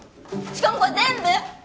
しかもこれ全部！？